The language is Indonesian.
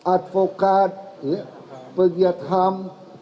advokat pegiat ham